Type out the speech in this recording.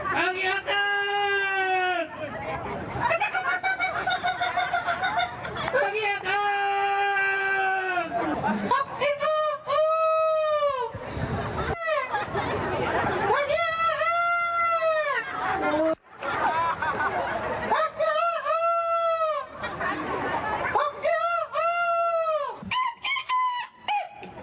เขาเรียกว่ากิ๊เศษ